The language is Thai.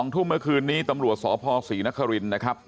ทุ่มเมื่อคืนนี้ตำรวจสพศรีนครินนะครับ